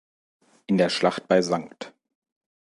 In der Schlacht bei St.